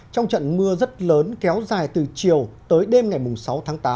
trong trận mưa rất lớn kéo dài từ chiều tới đêm ngày sáu tháng tám